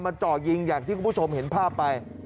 จ่อยิงอย่างที่คุณผู้ชมเห็นภาพไป